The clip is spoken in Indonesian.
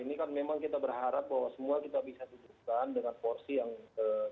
insya allah ini kan memang kita berharap bahwa semua kita bisa